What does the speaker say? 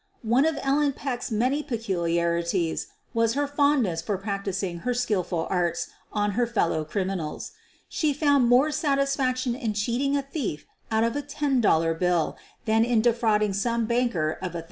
One of Ellen Peck's many peculiarities was her fondness for practicing her skilful arts on her fel low criminals. She found more satisfaction in cheating a thief out of a ten dollar bill than in de frauding some banker of $1,000.